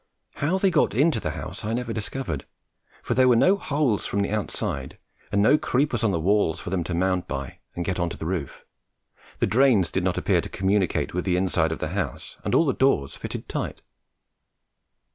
How they got into the house I never discovered, for there were no holes from the outside, and no creepers on the walls for them to mount by and get on to the roof; the drains did not appear to communicate with the inside of the house, and all the doors fitted tight.